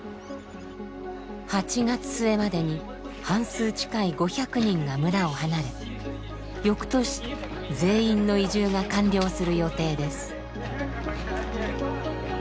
８月末までに半数近い５００人が村を離れよくとし全員の移住が完了する予定です。